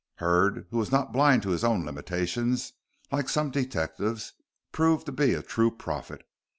Hurd, who was not blind to his own limitations like some detectives, proved to be a true prophet.